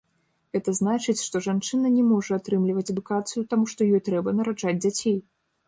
Гэта значыць, што жанчына не можа атрымліваць адукацыю, таму што ёй трэба нараджаць дзяцей.